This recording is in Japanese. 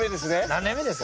何年目ですか？